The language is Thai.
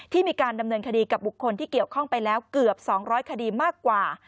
มีการดำเนินคดีกับบุคคลที่เกี่ยวข้องไปแล้วเกือบ๒๐๐คดีมากกว่า